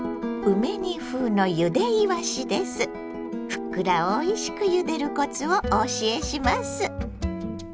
ふっくらおいしくゆでるコツをお教えします。